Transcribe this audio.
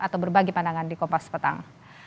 atau berbagi pandangan di kompas petang